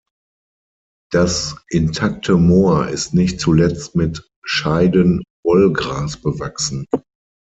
Das intakte Moor ist nicht zuletzt mit Scheiden-Wollgras bewachsen.